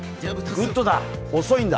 グッドだ！